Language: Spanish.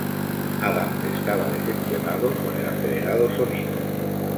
Adams estaba decepcionado con el acelerado sonido.